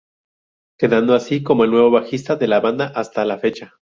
Quedando así como el nuevo bajista de la banda hasta la fecha.